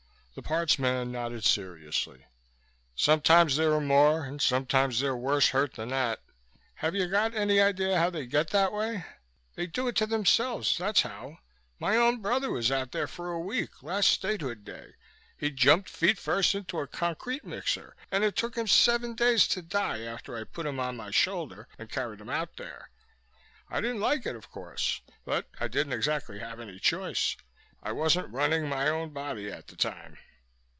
The parts man nodded seriously. "Sometimes there are more, and sometimes they're worse hurt than that. Have you got any idea how they get that way? They do it to themselves, that's how. My own brother was out there for a week, last Statehood Day. He jumped feet first into a concrete mixer, and it took him seven days to die after I put him on my shoulder and carried him out there. I didn't like it, of course, but I didn't exactly have any choice; I wasn't running my own body at the time.